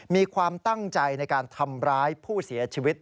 มีความตั้งใจในการทำร้ายผู้เสียชีวิต